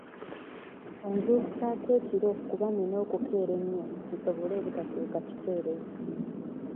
Onzuukusaako ekiro kuba nnina okukeera ennyo nsobole obutatuuka kikeerezi.